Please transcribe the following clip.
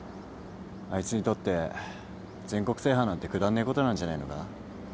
あいつにとって全国制覇なんてくだんねえことなんじゃねえのか。